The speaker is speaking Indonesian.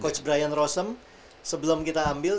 coach brian rosem sebelum kita ambil